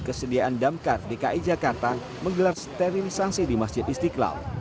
kesediaan damkar dki jakarta menggelar sterilisasi di masjid istiqlal